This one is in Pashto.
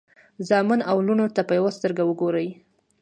زامنو او لوڼو ته په یوه سترګه وګورئ.